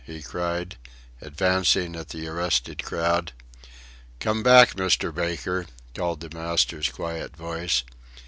he cried, advancing at the arrested crowd. "Come back, Mr. Baker!" called the master's quiet voice.